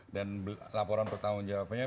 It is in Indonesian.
dan laporan bertanggung jawabannya